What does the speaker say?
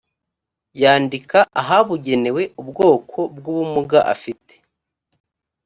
yandika ahabugenewe ubwoko bw ubumuga afite